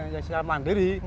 yang sekalian mandiri